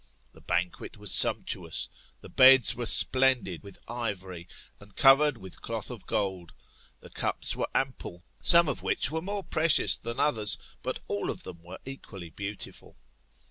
The banquet was sumptuous ; the beds were splendid with ivory, and covered with cloth of gold; the cups were ample, some of which were more precious than others, but all of them were equally beautiful.